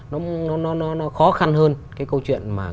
nó khó khăn hơn cái câu chuyện mà